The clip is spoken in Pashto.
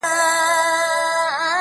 o را سهید سوی، ساقي جانان دی.